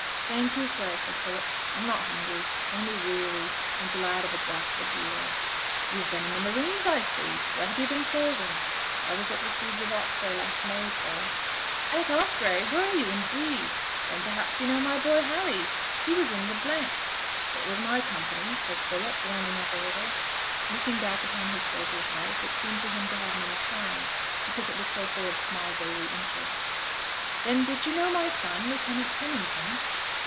'Thank you, sir!' said Philip. 'I'm not hungry, only weary, and glad of a draught of beer.' 'You've been in the Marines, I see. Where have you been serving?' 'I was at the siege of Acre, last May, sir.' 'At Acre! Were you, indeed? Then perhaps you know my boy Harry? He was in the th.' 'It was my company,' said Philip, warming up a little. Looking back upon his soldier's life, it seemed to him to have many charms, because it was so full of small daily interests. 'Then, did you know my son, Lieutenant Pennington?'